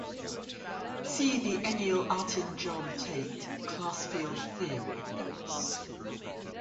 See the Emil Artin-John Tate "Class Field Theory" notes.